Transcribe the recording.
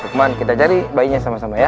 cuman kita cari bayinya sama sama ya